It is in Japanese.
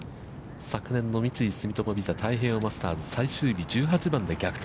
昨年の三井住友ＶＩＳＡ太平洋マスターズ、最終日１８番で逆転